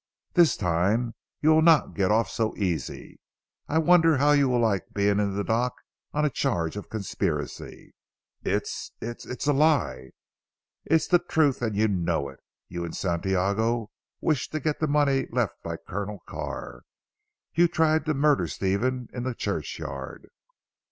This time you will not get off so easy. I wonder how you will like being in the dock on a charge of conspiracy." "It's it's it's a lie!" "It's the truth, and you know it. You and Santiago wish to get the money left by Colonel Carr. You tried to murder Stephen in the churchyard."